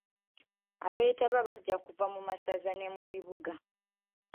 Abeetab bajja kuva mu masaza ne mu bibuga.